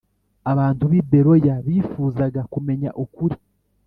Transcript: Abantu b i Beroya bifuzaga kumenya ukuri .